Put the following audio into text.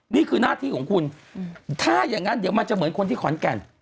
นี่คือหน้าที่ของคุณถ้าอย่างนั้นเดี๋ยวมันจะเหมือนคนที่ขอนแก่น